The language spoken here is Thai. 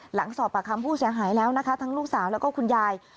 หลังสอบปากคำผู้เสียหายแล้วนะคะทั้งลูกสาวแล้วก็คุณยาย